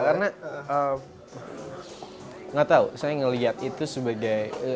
karena nggak tahu saya ngelihat itu sebagai